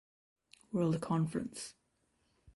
World Conference.